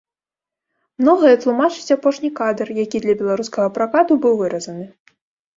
Многае тлумачыць апошні кадр, які для беларускага пракату быў выразаны.